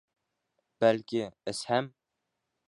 Бәлки, эсһәм...